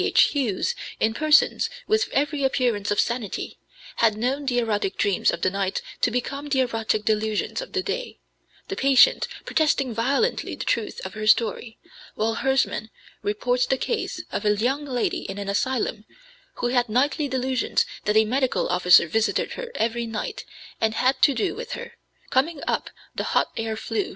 H. Hughes, in persons with every appearance of sanity, had known the erotic dreams of the night to become the erotic delusions of the day, the patient protesting violently the truth of her story; while Hersman reports the case of a young lady in an asylum who had nightly delusions that a medical officer visited her every night, and had to do with her, coming up the hot air flue.